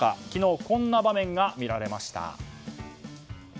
昨日、こんな場面が見られました。